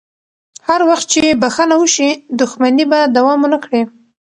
هر وخت چې بخښنه وشي، دښمني به دوام ونه کړي.